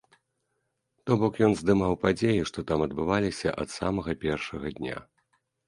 То бок ён здымаў падзеі, што там адбываліся ад самага першага дня.